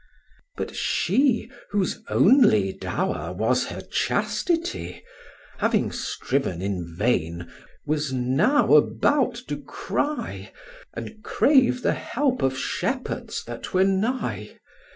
But she, Whose only dower was her chastity, Having striven in vain, was now about to cry, And crave the help of shepherds that were nigh.